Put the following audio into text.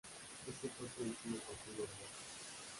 Ese fue su último partido en Boca.